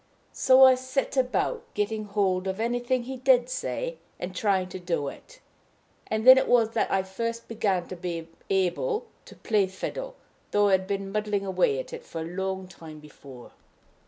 So I set about getting a hold of anything he did say, and trying to do it. And then it was that I first began to be able to play on the fiddle, though I had been muddling away at it for a long time before.